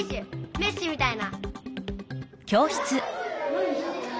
メッシみたいな。